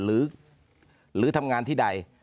หรือหรือทำงานที่ใด